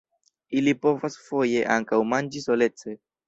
Ili povas foje ankaŭ manĝi solece.